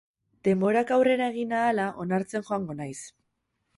Denborak aurrera egin ahala onartzen joango naiz.